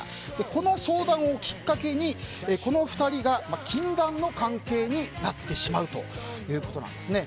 この相談をきっかけにこの２人が禁断の関係になってしまうということなんですね。